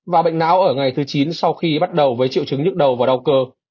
và bệnh não ở ngày thứ chín sau khi bắt đầu với triệu chứng nhức đầu và đau cơ